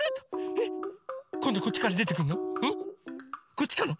こっちかな？